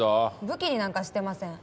武器になんかしてません。